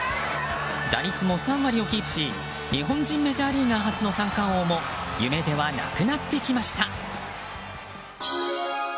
打率も３割をキープし日本人メジャーリーガー初の三冠王も夢ではなくなってきました。